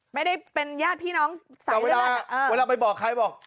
ไม่ได้เป็นญาติพี่น้องแต่เราแล้วไปบอกท้ายบอก